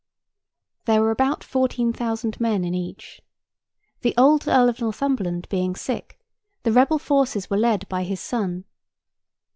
There were about fourteen thousand men in each. The old Earl of Northumberland being sick, the rebel forces were led by his son.